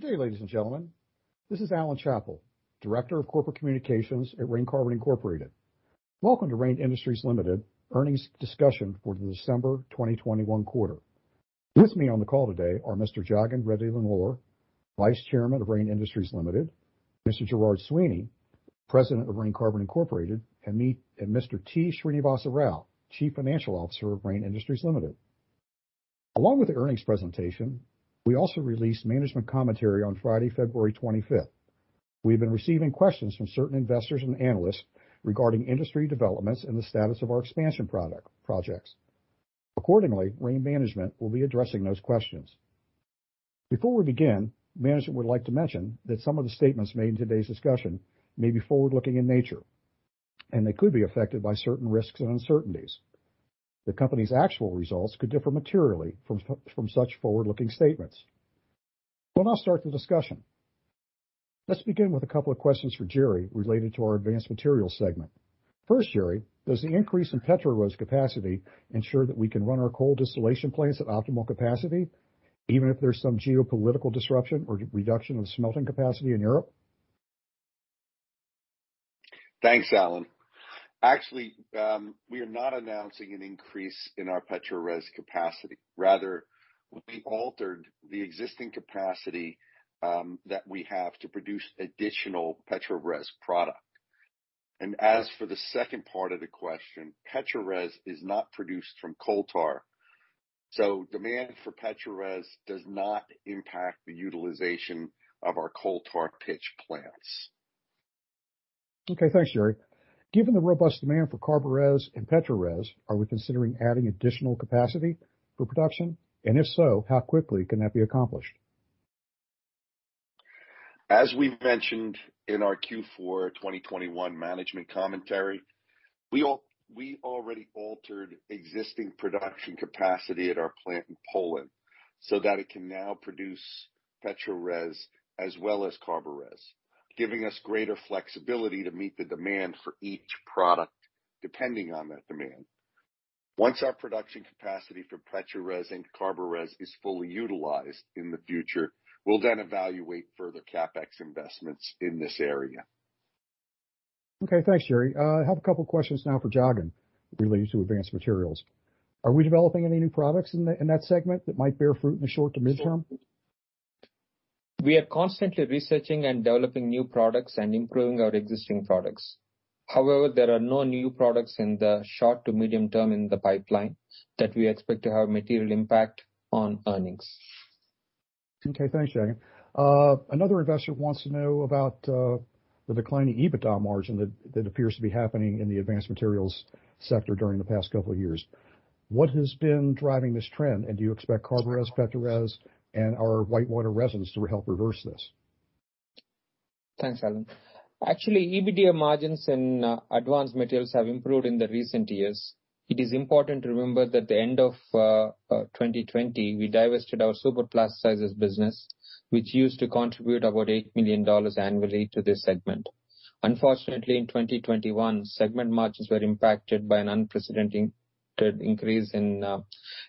Good day, ladies and gentlemen. This is Alan Chapple, Director of Corporate Communications at Rain Carbon Incorporated. Welcome to Rain Industries Limited Earnings Discussion for the December 2021 quarter. With me on the call today are Mr. Jagan Reddy Nellore, Vice Chairman of Rain Industries Limited, Mr. Gerard Sweeney, President of Rain Carbon Incorporated, and Mr. T. Srinivas Rao, Chief Financial Officer of Rain Industries Limited. Along with the earnings presentation, we also released management commentary on Friday, February 25th. We've been receiving questions from certain investors and analysts regarding industry developments and the status of our expansion projects. Accordingly, Rain management will be addressing those questions. Before we begin, management would like to mention that some of the statements made in today's discussion may be forward-looking in nature, and they could be affected by certain risks and uncertainties. The company's actual results could differ materially from such forward-looking statements. We'll now start the discussion. Let's begin with a couple of questions for Gerry related to our Advanced Materials segment. First, Gerry, does the increase in PETRORES capacity ensure that we can run our coal distillation plants at optimal capacity, even if there's some geopolitical disruption or reduction of smelting capacity in Europe? Thanks, Alan. Actually, we are not announcing an increase in our PETRORES® capacity. Rather, we altered the existing capacity that we have to produce additional PETRORES® product. As for the second part of the question, PETRORES® is not produced from coal tar so demand for PETRORES® does not impact the utilization of our coal tar pitch plants. Okay. Thanks, Gerry. Given the robust demand for CARBORES® and PETRORES®, are we considering adding additional capacity for production? If so, how quickly can that be accomplished? As we've mentioned in our Q4 2021 management commentary, we already altered existing production capacity at our plant in Poland so that it can now produce PETRORES® as well as CARBORES®, giving us greater flexibility to meet the demand for each product depending on that demand. Once our production capacity for PETRORES® and CARBORES® is fully utilized in the future, we'll then evaluate further CapEx investments in this area. Okay, thanks, Gerry. I have a couple questions now for Jagan related to Advanced Materials. Are we developing any new products in that segment that might bear fruit in the short to mid-term? We are constantly researching and developing new products and improving our existing products. However, there are no new products in the short to medium term in the pipeline that we expect to have material impact on earnings. Okay, thanks, Jagan. Another investor wants to know about the declining EBITDA margin that appears to be happening in the Advanced Materials sector during the past couple of years. What has been driving this trend? And do you expect CARBORES®, PETRORES®, and our water-white resins to help reverse this? Thanks, Alan. Actually, EBITDA margins in Advanced Materials have improved in recent years. It is important to remember that at the end of 2020, we divested our superplasticizers business, which used to contribute about $8 million annually to this segment. Unfortunately, in 2021, segment margins were impacted by an unprecedented increase in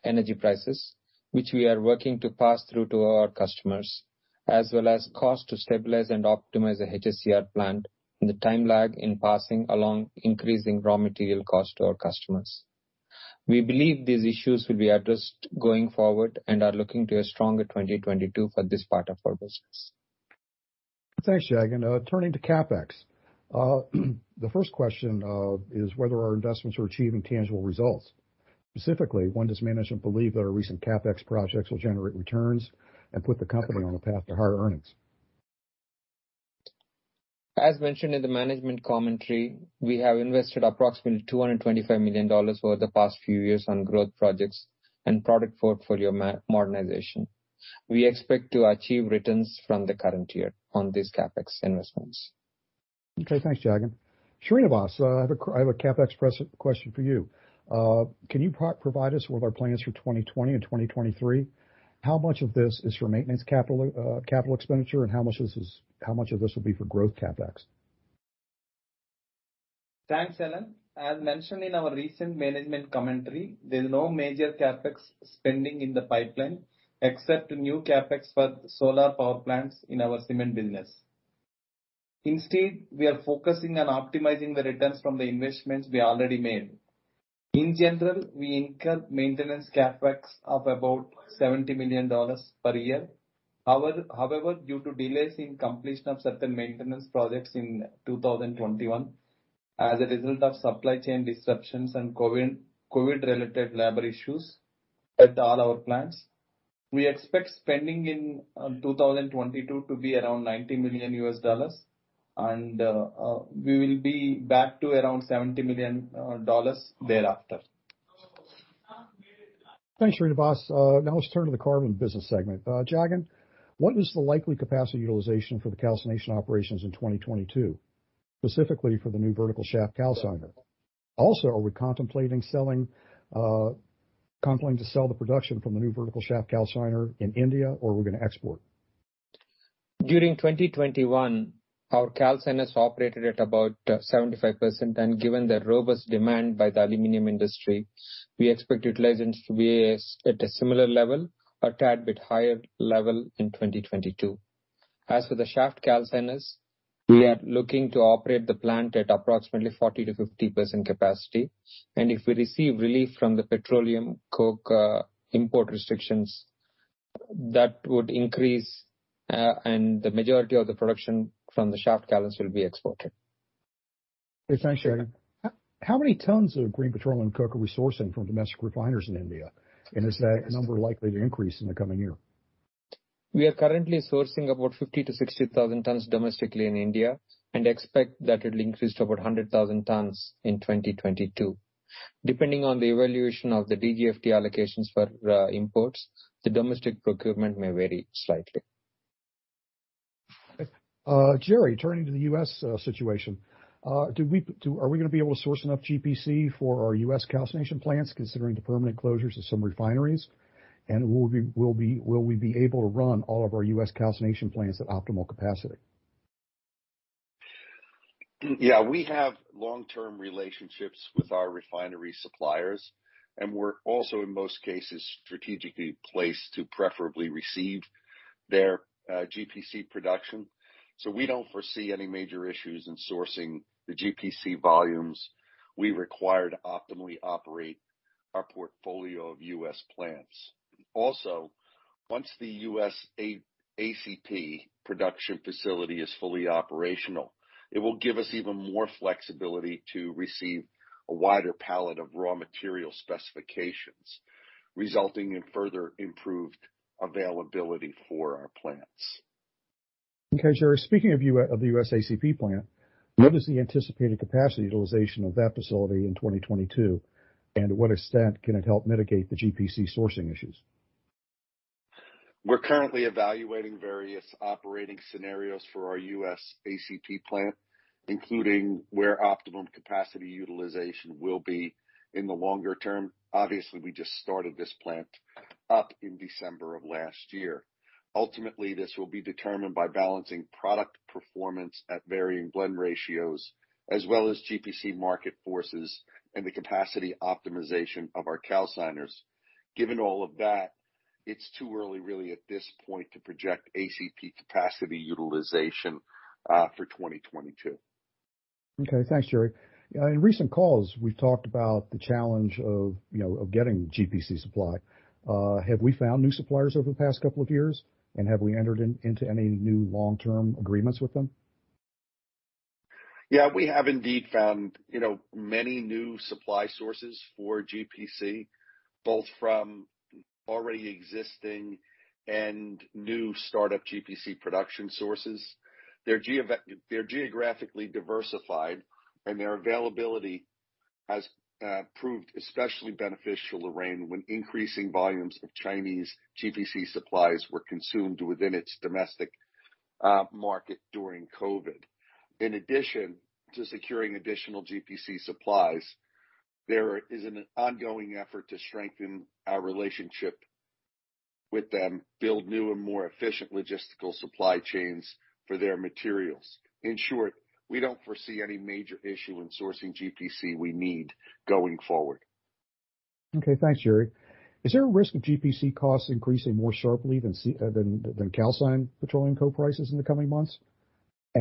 energy prices, which we are working to pass through to our customers, as well as costs to stabilize and optimize the HHCR plant and the time lag in passing along increasing raw material costs to our customers. We believe these issues will be addressed going forward and are looking to a stronger 2022 for this part of our business. Thanks, Jagan. Turning to CapEx. The first question is whether our investments are achieving tangible results. Specifically, when does management believe that our recent CapEx projects will generate returns and put the company on the path to higher earnings? As mentioned in the management commentary, we have invested approximately $225 million over the past few years on growth projects and product portfolio modernization. We expect to achieve returns from the current year on these CapEx investments. Okay. Thanks, Jagan. Srinivas, I have a CapEx question for you. Can you provide us with our plans for 2020 and 2023? How much of this is for maintenance capital expenditure, and how much of this will be for growth CapEx? Thanks, Alan. As mentioned in our recent management commentary, there's no major CapEx spending in the pipeline except new CapEx for solar power plants in our cement business. Instead, we are focusing on optimizing the returns from the investments we already made. In general, we incur maintenance CapEx of about $70 million per year. However, due to delays in completion of certain maintenance projects in 2021 as a result of supply chain disruptions and COVID-related labor issues at all our plants, we expect spending in 2022 to be around $90 million and we will be back to around $70 million thereafter. Thanks, Srinivas. Now let's turn to the Carbon business segment. Jagan, what is the likely capacity utilization for the calcination operations in 2022, specifically for the new vertical shaft calciner? Also, are we contemplating to sell the production from the new vertical shaft calciner in India or we're gonna export? During 2021, our calciners operated at about 75%, and given the robust demand by the aluminum industry, we expect utilizations to be at a similar level, a tad bit higher level in 2022. As for the shaft calciners, we are looking to operate the plant at approximately 40%-50% capacity. If we receive relief from the petroleum coke import restrictions, that would increase, and the majority of the production from the shaft calciners will be exported. Okay, thanks, Jagan. How many tons of green petroleum coke are we sourcing from domestic refiners in India? And is that number likely to increase in the coming year? We are currently sourcing about 50,000-60,000 tons domestically in India and expect that it'll increase to about 100,000 tons in 2022. Depending on the evaluation of the DGFT allocations for imports, the domestic procurement may vary slightly. Okay. Gerry, turning to the U.S. situation, are we gonna be able to source enough GPC for our U.S. calcination plants considering the permanent closures of some refineries? Will we be able to run all of our U.S. calcination plants at optimal capacity? Yeah. We have long-term relationships with our refinery suppliers, and we're also, in most cases, strategically placed to preferably receive their GPC production. We don't foresee any major issues in sourcing the GPC volumes we require to optimally operate our portfolio of U.S. plants. Also, once the U.S. ACP production facility is fully operational, it will give us even more flexibility to receive a wider palette of raw material specifications, resulting in further improved availability for our plants. Okay. Gerry, speaking of the U.S. ACP plant, what is the anticipated capacity utilization of that facility in 2022? To what extent can it help mitigate the GPC sourcing issues? We're currently evaluating various operating scenarios for our U.S. ACP plant, including where optimum capacity utilization will be in the longer term. Obviously, we just started this plant up in December of last year. Ultimately, this will be determined by balancing product performance at varying blend ratios as well as GPC market forces and the capacity optimization of our calciners. Given all of that, it's too early really at this point to project ACP capacity utilization for 2022. Okay. Thanks, Gerry. In recent calls, we've talked about the challenge of, you know, getting GPC supply. Have we found new suppliers over the past couple of years, and have we entered into any new long-term agreements with them? Yeah, we have indeed found, you know, many new supply sources for GPC, both from already existing and new startup GPC production sources. They're geographically diversified, and their availability has proved especially beneficial to Rain when increasing volumes of Chinese GPC supplies were consumed within its domestic market during COVID. In addition to securing additional GPC supplies, there is an ongoing effort to strengthen our relationship with them, build new and more efficient logistical supply chains for their materials. In short, we don't foresee any major issue in sourcing GPC we need going forward. Okay. Thanks, Gerry. Is there a risk of GPC costs increasing more sharply than calcined petroleum coke prices in the coming months?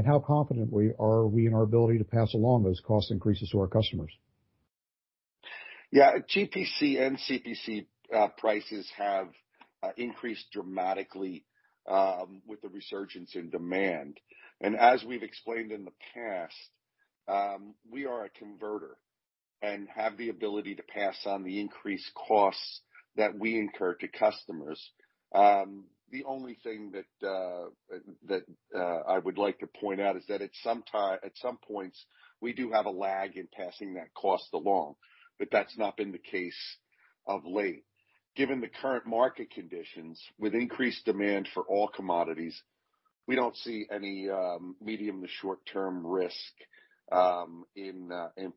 How confident are we in our ability to pass along those cost increases to our customers? Yeah. GPC and CPC prices have increased dramatically with the resurgence in demand. As we've explained in the past, we are a converter and have the ability to pass on the increased costs that we incur to customers. The only thing that I would like to point out is that at some points, we do have a lag in passing that cost along, but that's not been the case of late. Given the current market conditions with increased demand for all commodities, we don't see any medium to short-term risk in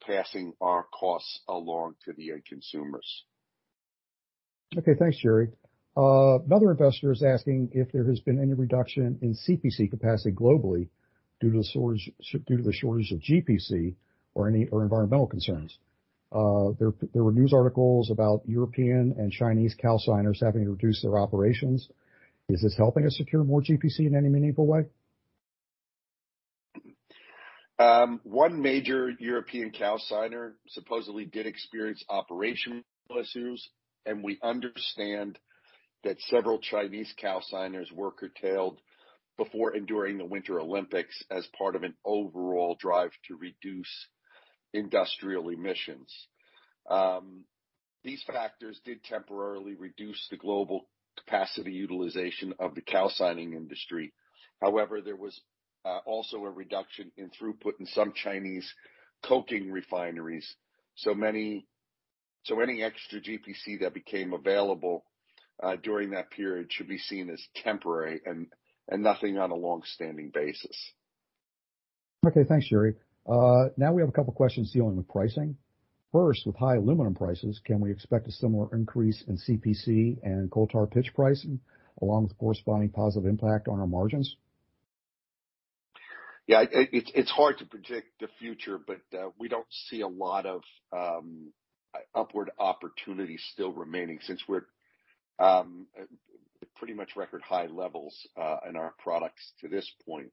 passing our costs along to the end consumers. Okay. Thanks, Gerry. Another investor is asking if there has been any reduction in CPC capacity globally due to the shortage of GPC or environmental concerns. There were news articles about European and Chinese calciners having to reduce their operations. Is this helping us secure more GPC in any meaningful way? One major European calciner supposedly did experience operational issues, and we understand that several Chinese calciners were curtailed before and during the Winter Olympics as part of an overall drive to reduce industrial emissions. These factors did temporarily reduce the global capacity utilization of the calcining industry. However, there was also a reduction in throughput in some Chinese coking refineries. Any extra GPC that became available during that period should be seen as temporary and nothing on a long-standing basis. Okay, thanks, Gerry. Now we have a couple questions dealing with pricing. First, with high aluminum prices, can we expect a similar increase in CPC and coal tar pitch pricing, along with corresponding positive impact on our margins? Yeah, it's hard to predict the future, but we don't see a lot of upward opportunities still remaining since we're pretty much record high levels in our products to this point.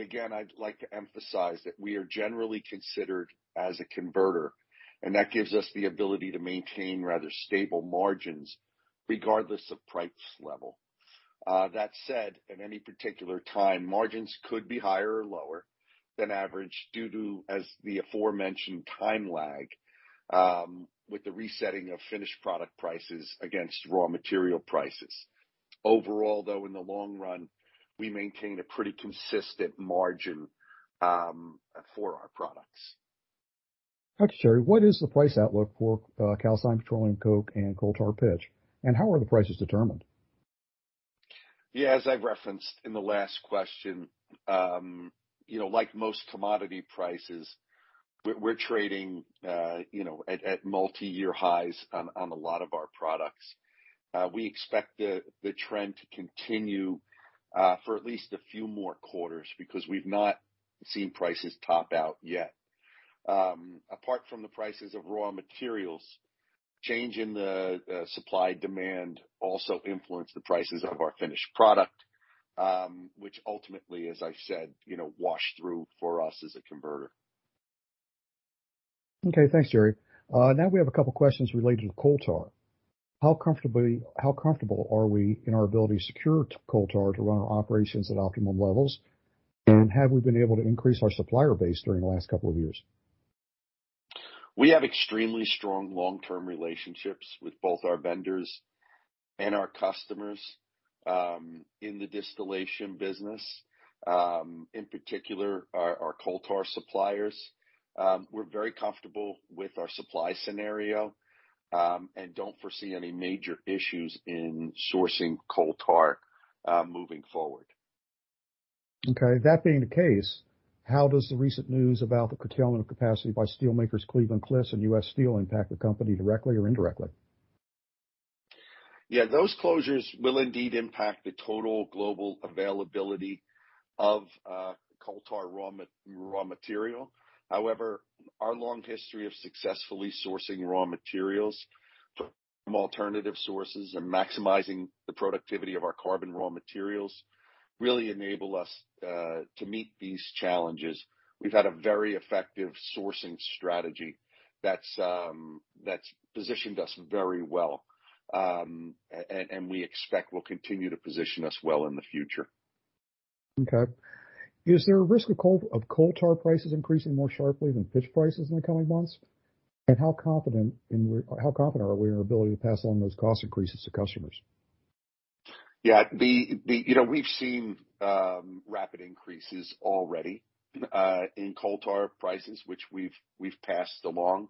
Again, I'd like to emphasize that we are generally considered as a converter, and that gives us the ability to maintain rather stable margins regardless of price level. That said, at any particular time, margins could be higher or lower than average due to, as the aforementioned time lag, with the resetting of finished product prices against raw material prices. Overall, though, in the long run, we maintain a pretty consistent margin for our products. Thanks, Gerry. What is the price outlook for calcined petroleum coke and coal tar pitch, and how are the prices determined? Yeah, as I referenced in the last question, you know, like most commodity prices, we're trading, you know, at multi-year highs on a lot of our products. We expect the trend to continue for at least a few more quarters because we've not seen prices top out yet. Apart from the prices of raw materials, change in the supply and demand also influence the prices of our finished product, which ultimately, as I said, you know, wash through for us as a converter. Okay. Thanks, Gerry. Now we have a couple of questions related to coal tar. How comfortable are we in our ability to secure coal tar to run our operations at optimum levels? And have we been able to increase our supplier base during the last couple of years? We have extremely strong long-term relationships with both our vendors and our customers, in the distillation business, in particular our coal tar suppliers. We're very comfortable with our supply scenario, and don't foresee any major issues in sourcing coal tar, moving forward. Okay. That being the case, how does the recent news about the curtailment of capacity by steelmakers Cleveland-Cliffs and U.S. Steel impact the company directly or indirectly? Yeah, those closures will indeed impact the total global availability of coal tar raw material. However, our long history of successfully sourcing raw materials from alternative sources and maximizing the productivity of our carbon raw materials really enable us to meet these challenges. We've had a very effective sourcing strategy that's positioned us very well, and we expect will continue to position us well in the future. Okay. Is there a risk of coal tar prices increasing more sharply than pitch prices in the coming months? And how confident are we in our ability to pass along those cost increases to customers? Yeah. The you know, we've seen rapid increases already in coal tar prices, which we've passed along.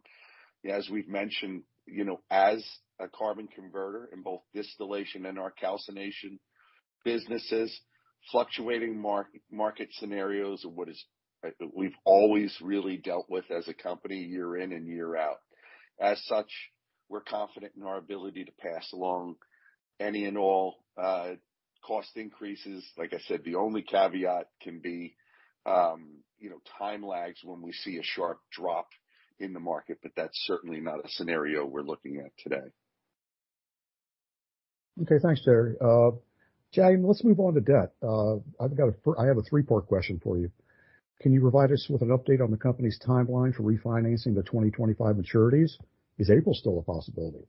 As we've mentioned, you know, as a carbon converter in both distillation and our calcination businesses, fluctuating market scenarios are what we've always really dealt with as a company year in and year out. As such, we're confident in our ability to pass along any and all cost increases. Like I said, the only caveat can be you know, time lags when we see a sharp drop in the market, but that's certainly not a scenario we're looking at today. Okay, thanks, Gerry. Jagan, let's move on to debt. I have a three-part question for you. Can you provide us with an update on the company's timeline for refinancing the 2025 maturities? Is April still a possibility?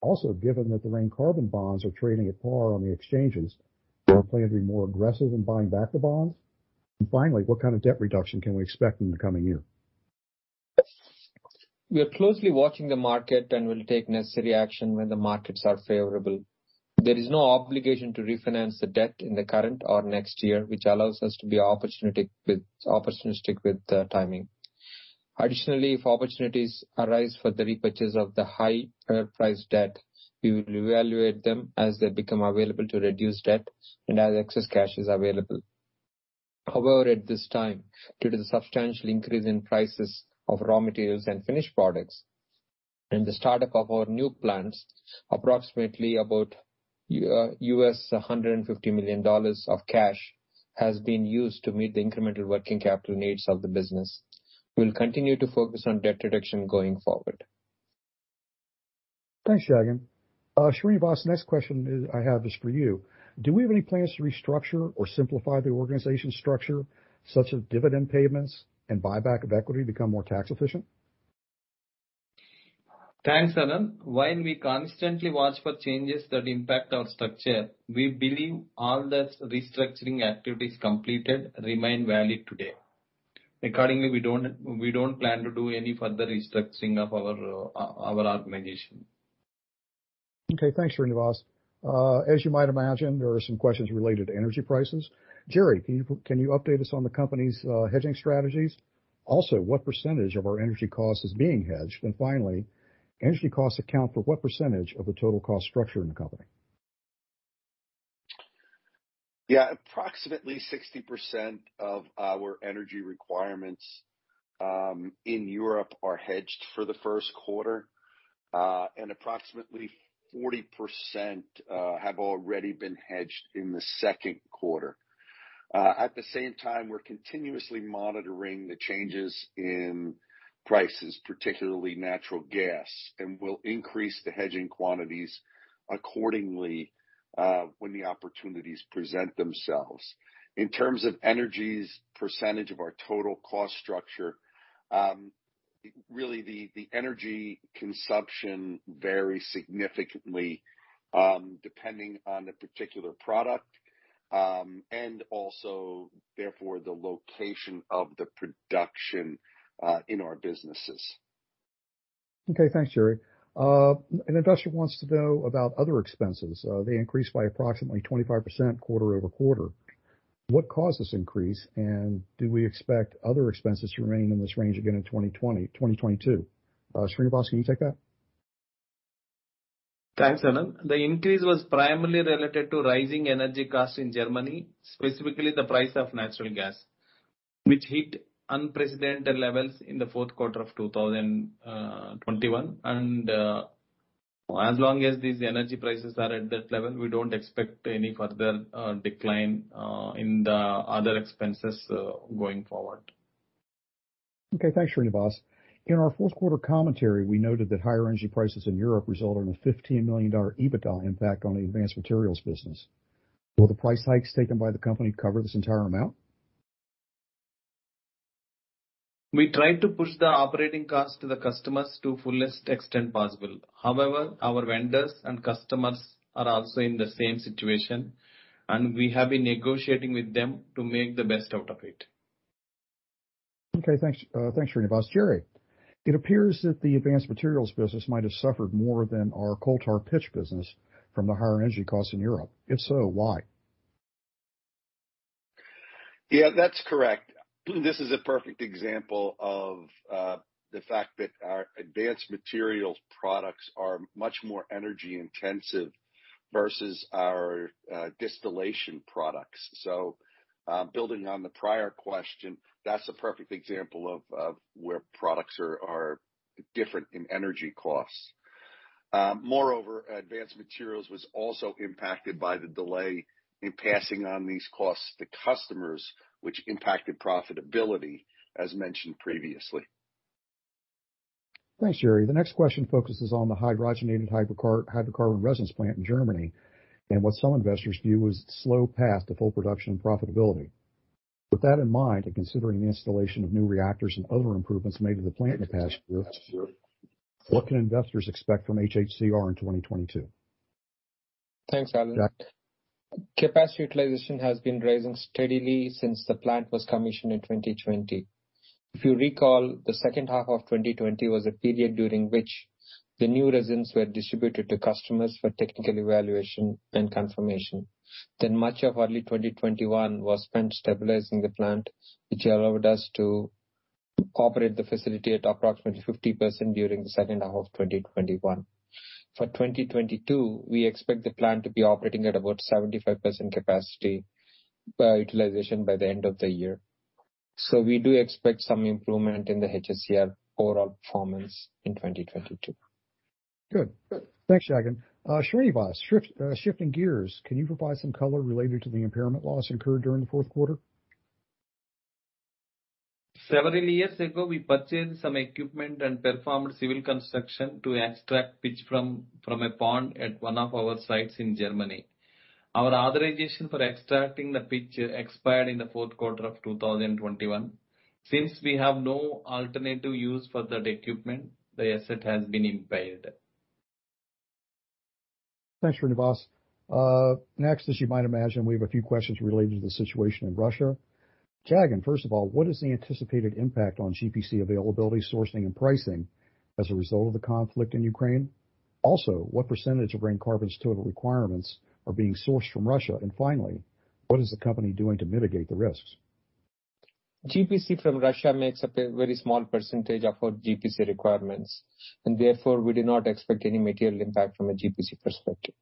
Also, given that the Rain Carbon bonds are trading at par on the exchanges, do you plan to be more aggressive in buying back the bonds? And finally, what kind of debt reduction can we expect in the coming year? We are closely watching the market and will take necessary action when the markets are favorable. There is no obligation to refinance the debt in the current or next year, which allows us to be opportunistic with the timing. Additionally, if opportunities arise for the repurchase of the high price debt, we will evaluate them as they become available to reduce debt and as excess cash is available. However, at this time, due to the substantial increase in prices of raw materials and finished products and the startup of our new plants, approximately about $150 million of cash has been used to meet the incremental working capital needs of the business. We'll continue to focus on debt reduction going forward. Thanks, Jagan. Srinivas, the next question I have is for you. Do we have any plans to restructure or simplify the organizational structure, such that dividend payments and buyback of equity become more tax efficient? Thanks, Alan. While we constantly watch for changes that impact our structure, we believe all the restructuring activities completed remain valid today. Accordingly, we don't plan to do any further restructuring of our organization. Okay, thanks, Srinivas. As you might imagine, there are some questions related to energy prices. Gerry, can you update us on the company's hedging strategies? Also, what percentage of our energy costs is being hedged? Finally, energy costs account for what percentage of the total cost structure in the company? Yeah, approximately 60% of our energy requirements in Europe are hedged for the first quarter. Approximately 40% have already been hedged in the second quarter. At the same time, we're continuously monitoring the changes in prices, particularly natural gas, and we'll increase the hedging quantities accordingly when the opportunities present themselves. In terms of energy's percentage of our total cost structure, really the energy consumption varies significantly depending on the particular product and also therefore the location of the production in our businesses. Okay. Thanks, Gerry. An investor wants to know about other expenses. They increased by approximately 25% quarter-over-quarter. What caused this increase? Do we expect other expenses to remain in this range again in 2020, 2022? Srinivas, can you take that? Thanks, Alan. The increase was primarily related to rising energy costs in Germany, specifically the price of natural gas, which hit unprecedented levels in the fourth quarter of 2021. As long as these energy prices are at that level, we don't expect any further decline in the other expenses going forward. Okay. Thanks, Srinivas. In our fourth quarter commentary, we noted that higher energy prices in Europe resulted in a $15 million EBITDA impact on the Advanced Materials business. Will the price hikes taken by the company cover this entire amount? We try to push the operating costs to the customers to the fullest extent possible. However, our vendors and customers are also in the same situation, and we have been negotiating with them to make the best out of it. Okay, thanks. Thanks, Srinivas. Gerry, it appears that the Advanced Materials business might have suffered more than our coal tar pitch business from the higher energy costs in Europe. If so, why? Yeah, that's correct. This is a perfect example of the fact that our Advanced Materials products are much more energy intensive versus our distillation products. Building on the prior question, that's a perfect example of where products are different in energy costs. Moreover, Advanced Materials was also impacted by the delay in passing on these costs to customers, which impacted profitability as mentioned previously. Thanks, Gerry. The next question focuses on the hydrogenated hydrocarbon resins plant in Germany and what some investors view as slow path to full production and profitability. With that in mind, and considering the installation of new reactors and other improvements made to the plant in the past year, what can investors expect from HHCR in 2022? Thanks, Alan. Capacity utilization has been rising steadily since the plant was commissioned in 2020. If you recall, the second half of 2020 was a period during which the new resins were distributed to customers for technical evaluation and confirmation. Much of early 2021 was spent stabilizing the plant, which allowed us to operate the facility at approximately 50% during the second half of 2021. For 2022, we expect the plant to be operating at about 75% capacity utilization by the end of the year. We do expect some improvement in the HHCR overall performance in 2022. Good. Thanks, Jagan. Srinivas, shifting gears, can you provide some color related to the impairment loss incurred during the fourth quarter? Several years ago, we purchased some equipment and performed civil construction to extract pitch from a pond at one of our sites in Germany. Our authorization for extracting the pitch expired in the fourth quarter of 2021. Since we have no alternative use for that equipment, the asset has been impaired. Thanks, Srinivas. Next, as you might imagine, we have a few questions related to the situation in Russia. Jagan, first of all, what is the anticipated impact on GPC availability, sourcing and pricing as a result of the conflict in Ukraine? Also, what percentage of Rain Carbon's total requirements are being sourced from Russia? And finally, what is the company doing to mitigate the risks? GPC from Russia makes up a very small percentage of our GPC requirements, and therefore we do not expect any material impact from a GPC perspective.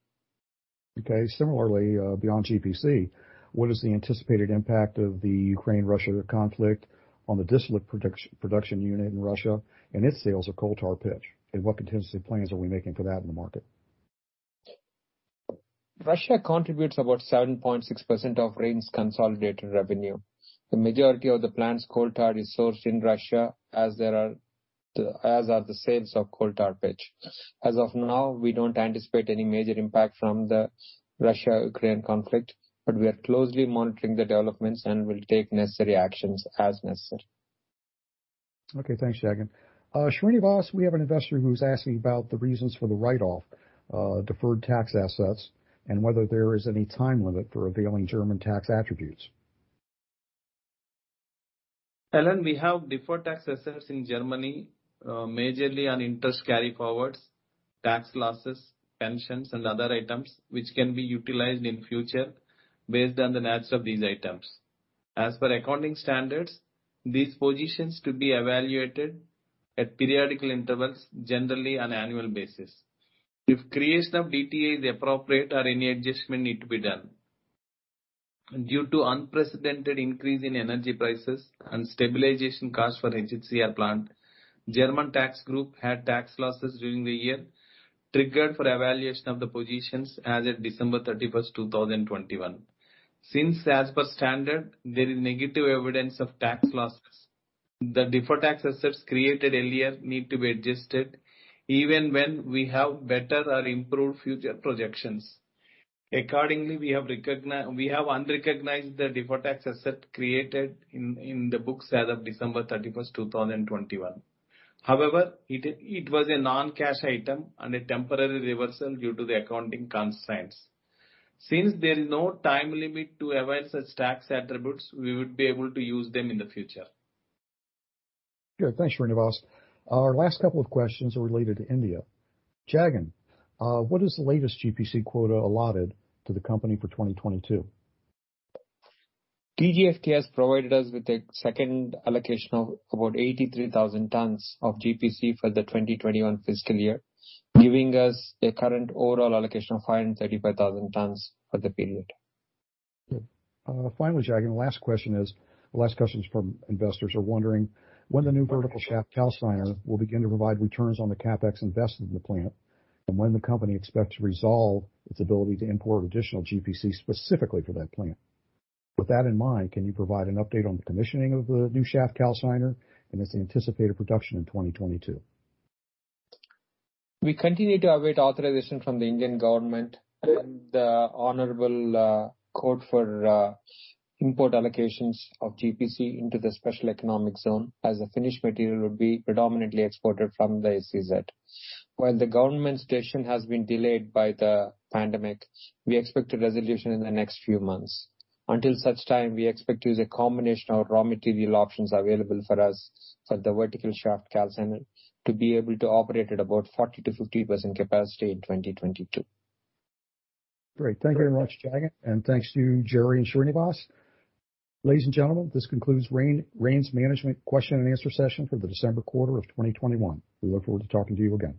Okay. Similarly, beyond GPC, what is the anticipated impact of the Ukraine-Russia conflict on the distillate production unit in Russia and its sales of coal tar pitch? And what contingency plans are we making for that in the market? Russia contributes about 7.6% of Rain's consolidated revenue. The majority of the plant's coal tar is sourced in Russia, as are the sales of coal tar pitch. As of now, we don't anticipate any major impact from the Russia-Ukraine conflict, but we are closely monitoring the developments and will take necessary actions as necessary. Okay, thanks, Jagan. Srinivas, we have an investor who's asking about the reasons for the write-off of deferred tax assets and whether there is any time limit for availing German tax attributes. Alan, we have deferred tax assets in Germany, majorly on interest carryforwards, tax losses, pensions and other items which can be utilized in future based on the nets of these items. As per accounting standards, these positions could be evaluated at periodical intervals, generally on an annual basis, if creation of DTA is appropriate or any adjustment needs to be done. Due to unprecedented increase in energy prices and stabilization costs for HHCR plant, German tax group had tax losses during the year triggered for evaluation of the positions as at December 31st, 2021. Since as per standard, there is negative evidence of tax losses, the deferred tax assets created earlier need to be adjusted even when we have better or improved future projections. Accordingly, we have unrecognized the deferred tax asset created in the books as of December 31st, 2021. However, it was a non-cash item and a temporary reversal due to the accounting constraints. Since there is no time limit to avail such tax attributes, we would be able to use them in the future. Good. Thanks, Srinivas. Our last couple of questions are related to India. Jagan, what is the latest GPC quota allotted to the company for 2022? DGFT has provided us with a second allocation of about 83,000 tons of GPC for the 2021 fiscal year, giving us a current overall allocation of 135,000 tons for the period. Finally, Jagan, last questions from investors are wondering when the new vertical shaft calciner will begin to provide returns on the CapEx invested in the plant, and when the company expects to resolve its ability to import additional GPC specifically for that plant. With that in mind, can you provide an update on the commissioning of the new shaft calciner and its anticipated production in 2022? We continue to await authorization from the Indian government and the DGFT for import allocations of GPC into the special economic zone as the finished material would be predominantly exported from the SEZ. While the government decision has been delayed by the pandemic, we expect a resolution in the next few months. Until such time, we expect to use a combination of raw material options available for us for the vertical shaft calciner to be able to operate at about 40%-50% capacity in 2022. Great. Thank you very much, Jagan, and thanks to you, Gerry and Srinivas. Ladies and gentlemen, this concludes Rain's management question and answer session for the December quarter of 2021. We look forward to talking to you again.